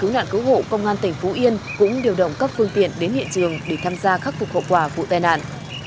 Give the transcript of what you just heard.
cứu nạn cứu hộ công an tỉnh phú yên cũng điều động các phương tiện đến hiện trường để tham gia khắc phục hậu quả vụ tai nạn